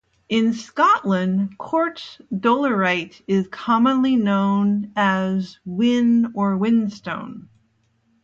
In Scotland quartz-dolerite is commonly known as whin or whinstone.